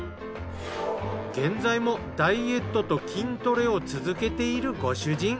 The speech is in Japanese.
現在もダイエットと筋トレを続けているご主人。